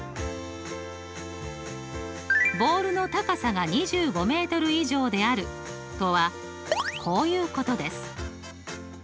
ボールの高さが２５以上であるとはこういうことです。